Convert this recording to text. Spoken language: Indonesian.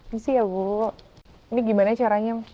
ini sih ya bu ini gimana caranya